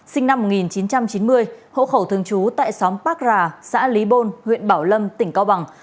sinh năm một nghìn chín trăm chín mươi hộ khẩu thường trú tại xóm park rà xã lý bôn huyện bảo lâm tỉnh cao bằng